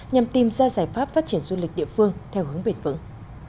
nhằm tìm ra giải pháp phát triển du lịch địa phương theo hướng bền vững